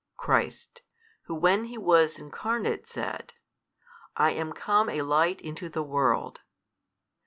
Christ, who when He was Incarnate said, I am come a Light into the world.